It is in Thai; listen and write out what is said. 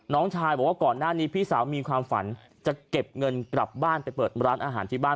น้องชายบอกว่าก่อนหน้านี้พี่สาวมีความฝันจะเก็บเงินกลับบ้านไปเปิดร้านอาหารที่บ้าน